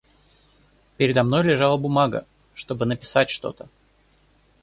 Передо мной лежала бумага, чтобы написать что-то.